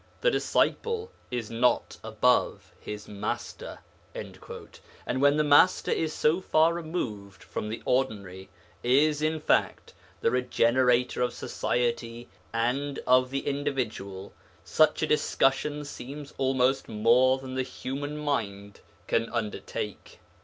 'The disciple is not above his Master,' and when the Master is so far removed from the ordinary is, in fact, the regenerator of society and of the individual, such a discussion seems almost more than the human mind can undertake.